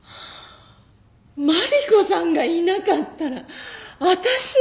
マリコさんがいなかったら私は。